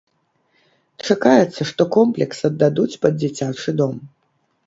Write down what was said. Чакаецца, што комплекс аддадуць пад дзіцячы дом.